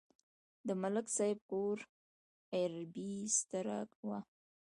د ملک صاحب کور ایر بېستره و.